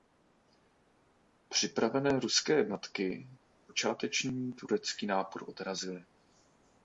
Připravené ruské jednotky počáteční turecký nápor odrazily.